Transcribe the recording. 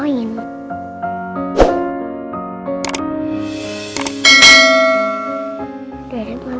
aku mau ke rumah